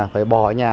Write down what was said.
phải bỏ nhà